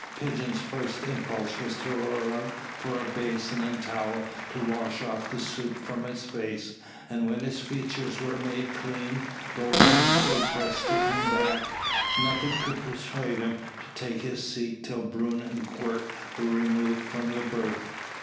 Pigeon's first impulse was to roar out for a basin and towel to wash off the soup from his face; and when his features were made clean, though earnestly pressed to come back, nothing could persuade him to take his seat till Bruin and Quirk were removed from the berth.